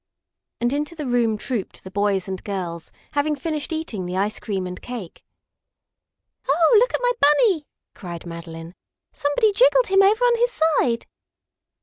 And into the room trooped the boys and girls, having finished eating the ice cream and cake. "Oh, look at my Bunny!" cried Madeline. "Somebody jiggled him over on his side."